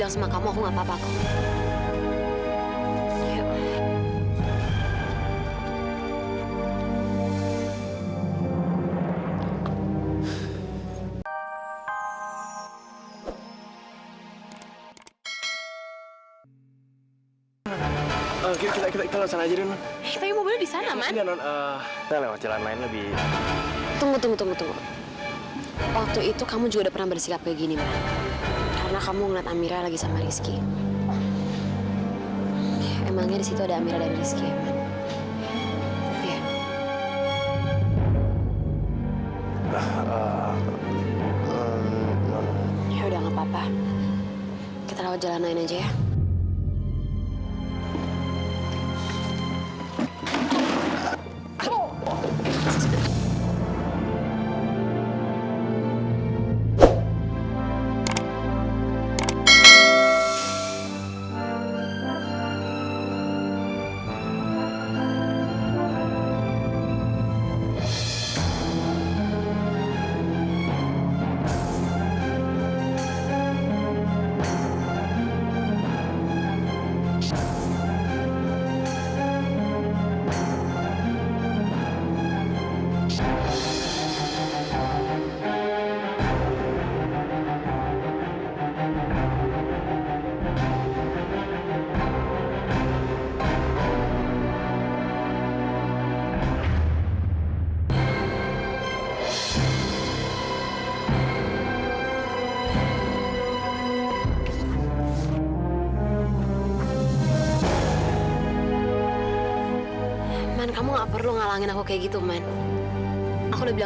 sampai jumpa di video selanjutnya